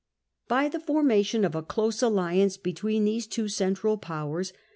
By the foundation of a close alliance between these two central powers.